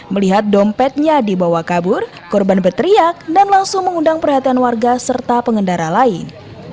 melihat dompetnya dibawa kabur korban berteriak dan langsung mengundang perhatian warga serta pengendara lain